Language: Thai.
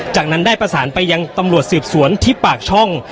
จากนั้นได้ประสานไปยังตำรวจสืบสวนที่ปากช่อง